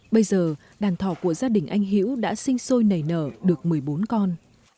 bây giờ đàn thỏ của gia đình anh hiễu đã sinh sôi nảy nở được một mươi bốn con